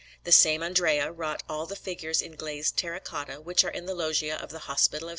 The same Andrea wrought all the figures in glazed terra cotta which are in the Loggia of the Hospital of S.